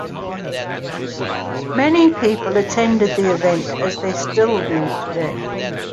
Many people attended the event, as they still do today.